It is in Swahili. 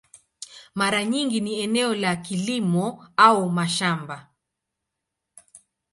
Mara nyingi ni eneo la kilimo au mashamba.